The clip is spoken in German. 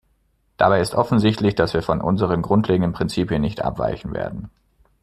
Dabei ist offensichtlich, dass wir von unseren grundlegenden Prinzipien nicht abweichen werden.